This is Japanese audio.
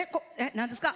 何ですか？